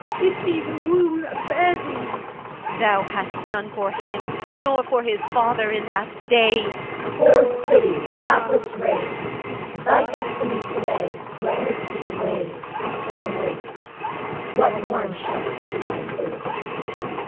Pity the womb that bare thee. EL. Thou hadst none For him, nor for his father, in that day. HALF CH. Poor city! hapless race! 1 Thy destiny to day Wears thee away, away. What morn shall see thy face?